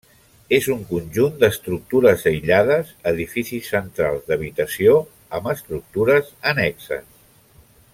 És un conjunt d'estructures aïllades, edificis centrals d'habitació amb estructures annexes.